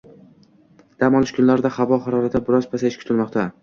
Dam olish kunlarida havo harorati biroz pasayishi kutilmoqda